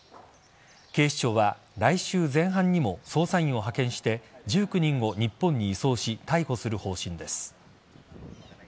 警視庁は来週前半にも捜査員を派遣して１９人を日本に移送し逮捕する方針です。